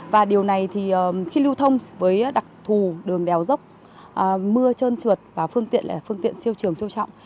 và điều này thì khi lưu thông với đặc thù đường đèo dốc mưa trơn trượt và phương tiện phương tiện siêu trường siêu trọng